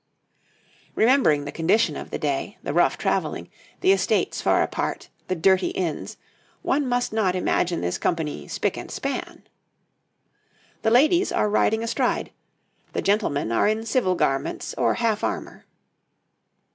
}] Remembering the condition of the day, the rough travelling, the estates far apart, the dirty inns, one must not imagine this company spick and span. The ladies are riding astride, the gentlemen are in civil garments or half armour.